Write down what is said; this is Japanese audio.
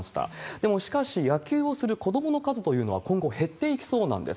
でもしかし、野球をする子どもの数というのは今後、減っていきそうなんです。